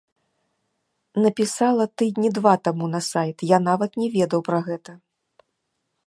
Напісала тыдні два таму на сайт, я нават не ведаў пра гэта.